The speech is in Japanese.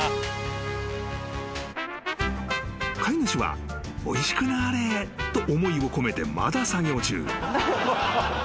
［飼い主はおいしくなれと思いを込めてまだ作業中］